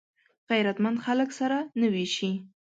غیرتمند خلک سره نه وېشي